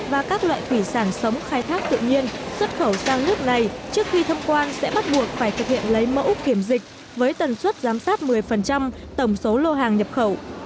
và các loại thủy sản sống khai thác tự nhiên xuất khẩu sang nước này trước khi thông quan sẽ bắt buộc phải thực hiện lấy mẫu kiểm dịch với tần suất giám sát một mươi tổng số lô hàng nhập khẩu